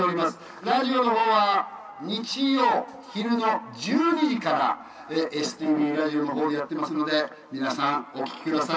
ラジオの方は日曜昼の１２時からＳＴＶラジオの方でやってますので皆さんお聴きください。